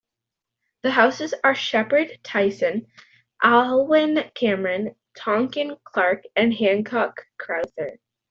The houses are Sheppard Tyson, Aylwin Cameron, Tonkin Clarke and Hancock Crowther.